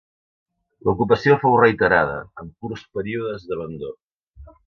L'ocupació fou reiterada, amb curts períodes d'abandó.